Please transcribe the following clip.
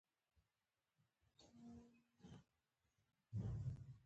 زه ډير خفه يم